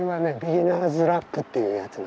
ビギナーズラックっていうやつ。